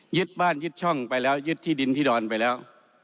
บ้านยึดช่องไปแล้วยึดที่ดินที่ดอนไปแล้ว